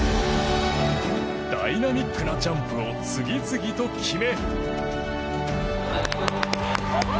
ダイナミックなジャンプを次々と決め。